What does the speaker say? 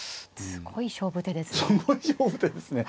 すごい勝負手ですね。